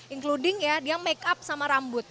including ya dia make up sama rambut